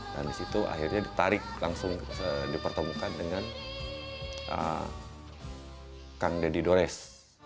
dan disitu akhirnya ditarik langsung dipertemukan dengan kang deni dores